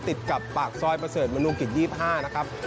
ติดกับปากซอยประเสริฐมนุกิจ๒๕นะครับ